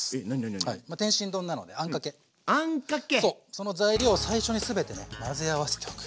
その材料を最初に全てね混ぜ合わせておく。